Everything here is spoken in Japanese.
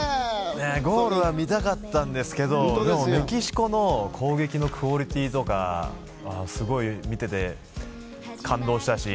ゴールが見たかったんですけどもでも、メキシコの攻撃のクオリティーとかすごい見ていて感動したし。